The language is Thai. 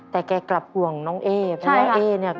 แต่แกกลับห่วงน้องเอนะเพราะว่าเอเนี่ยใช่ค่ะ